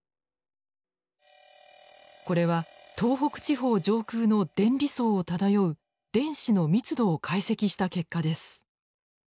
これは東北地方上空の電離層を漂う電子の密度を解析した結果です。